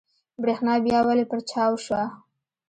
برېښنا بيا ولې پرچاو شوه؟